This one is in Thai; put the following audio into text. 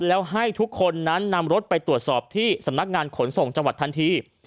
แล้วให้ทุกคนนั้นนำรถไปตรวจสอบที่สำนักงานขนส่งจังหวัดทันที